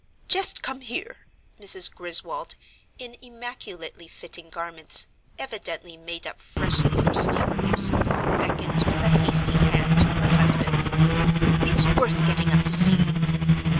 "Just come here!" Mrs. Griswold, in immaculately fitting garments, evidently made up freshly for steamer use, beckoned with a hasty hand to her husband. "It's worth getting up to see."